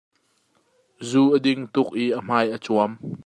Zu a ding tuk i a hmai a cuam.